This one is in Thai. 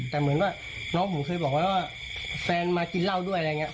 แต่เหมือนว่าน้องผมเคยบอกไว้ว่าแฟนมากินเหล้าด้วยอะไรอย่างนี้